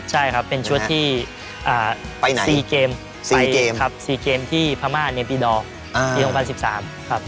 ใช่ครับเป็นชุดที่๔เกมที่พม่าในปีดอลปี๒๐๑๓ครับ